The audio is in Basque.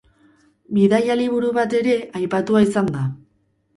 Bidaia-liburu bat ere aipatua izan da.